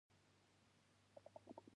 سړي په خوند وويل: